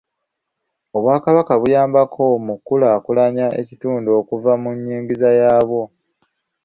Obwakabaka buyambako mu kukulaakulanya ekitundu okuva mu nnyingiza yaabwo.